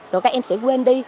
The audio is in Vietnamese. rồi các em sẽ quên đi